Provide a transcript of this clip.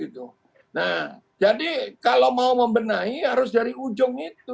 nah jadi kalau mau membenahi harus dari ujung itu